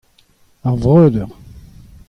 Ar vreudeur.